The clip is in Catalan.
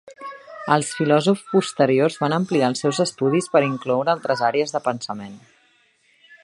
Els filòsofs posteriors van ampliar els seus estudis per incloure altres àrees de pensament.